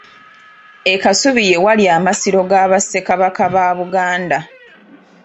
E Kasubi ye wali amasiro ga Bassekabaka ba Buganda.